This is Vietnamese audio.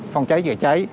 phòng cháy chữa cháy